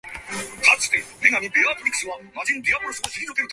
Musical tensions within the band led to Ure's departure.